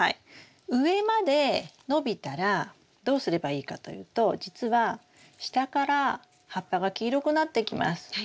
上まで伸びたらどうすればいいかというとじつは下から葉っぱが黄色くなってきます。